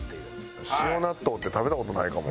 塩納豆って食べた事ないかも。